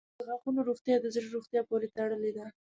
• د غاښونو روغتیا د زړه روغتیا پورې تړلې ده.